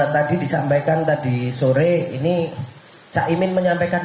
tadi disampaikan tadi sore ini cak imin menyampaikan